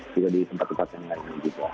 juga di tempat tempat yang lain gitu